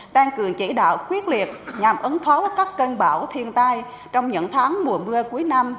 tăng cường chỉ đạo quyết liệt nhằm ứng phó các cơn bão thiên tai trong những tháng mùa mưa cuối năm